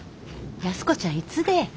安子ちゃんいつでえ？